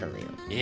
え？